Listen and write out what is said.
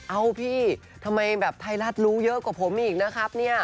เอ้าพี่ทำไมไทรัศน์รู้เยอะกว่าผมอีกนะครับ